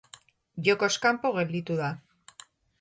Jokoz kanpo gelditu da.